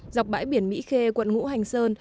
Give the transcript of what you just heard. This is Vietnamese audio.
dọc bãi biển mỹ khê quận ngũ hành sơn